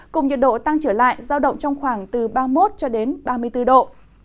cùng nhiệt độ tăng trở lại giao động trong khoảng từ ba mươi một cho đến ba mươi bốn độ